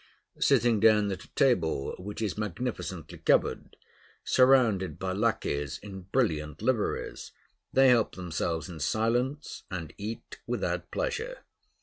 Sitting down at a table which is magnificently covered, surrounded by lackeys in brilliant liveries, they help themselves in silence, and eat without pleasure.